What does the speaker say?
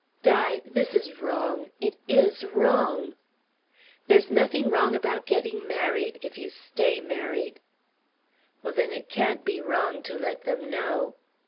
"Di! This is wrong it is wrong." "There's nothing wrong about getting married if you stay married." "Well, then it can't be wrong to let them know."